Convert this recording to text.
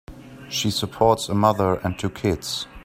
She supports a mother and two kids.